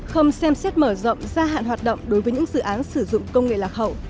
không xem xét mở rộng gia hạn hoạt động đối với những dự án sử dụng công nghệ lạc hậu